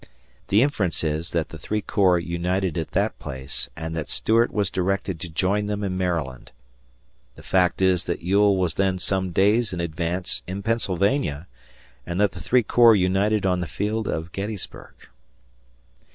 The inference is that the three corps united at that place and that Stuart was directed to join them in Maryland. The fact is that Ewell was then some days in advance in Pennsylvania and that the three corps united on the field of Gettysburg.